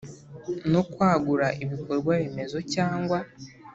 No kwagura ibikorwa remezo cyangwa